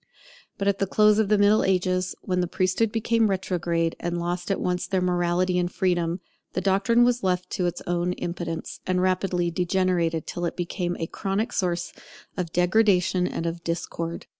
But at the close of the Middle Ages, when the priesthood became retrograde, and lost at once their morality and their freedom, the doctrine was left to its own impotence, and rapidly degenerated till it became a chronic source of degradation and of discord.